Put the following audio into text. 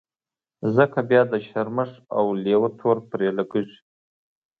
ځکه بيا د شرمښ او لېوه تور پرې لګېږي.